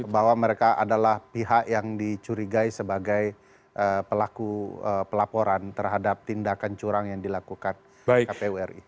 bahwa mereka adalah pihak yang dicurigai sebagai pelaku pelaporan terhadap tindakan curang yang dilakukan kpu ri